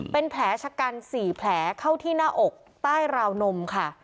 เป็นแผลชะกัน๔แผลเข้าที่หน้าอกใต้ราวนมค่ะ